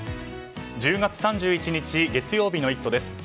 １０月３１日、月曜日の「イット！」です。